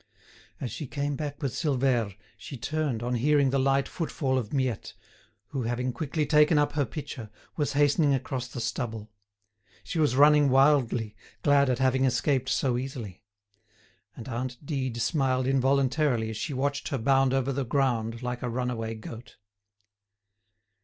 As she came back with Silvère, she turned on hearing the light footfall of Miette, who, having quickly taken up her pitcher, was hastening across the stubble. She was running wildly, glad at having escaped so easily. And aunt Dide smiled involuntarily as she watched her bound over the ground like a runaway goat.